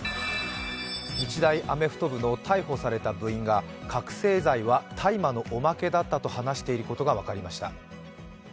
日大アメフト部の逮捕された部員が覚醒剤は大麻のおまけだったと話していることが分かりました。